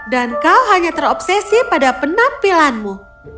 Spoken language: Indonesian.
dan kau hanya terobsesi pada penampilanmu